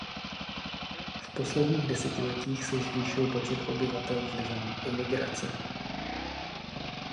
V posledních desetiletích se zvýšil počet obyvatel vlivem imigrace.